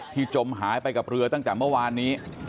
จมหายไปกับเรือตั้งแต่เมื่อวานนี้